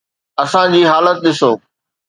اسان جي حالت ڏسو.